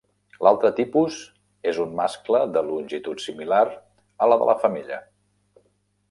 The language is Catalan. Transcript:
L'altre tipus és un mascle, de longitud similar a la de la femella.